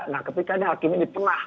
nah ketika ini hakim ini pernah